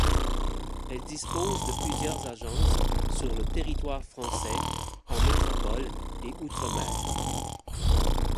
Elle dispose de plusieurs agences sur le territoire français, en métropole et outre-mer.